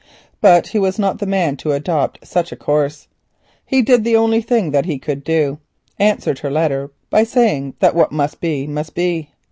But he was not the man to adopt such a course. He did the only thing he could do—answered her letter by saying that what must be must be.